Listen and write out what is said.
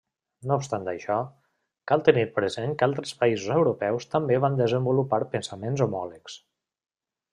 No obstant això, cal tenir present que altres països europeus també van desenvolupar pensaments homòlegs.